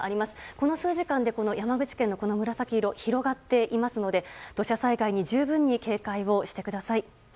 この数時間で山口県の紫色広がっていますので土砂災害に十分に警戒をしてください。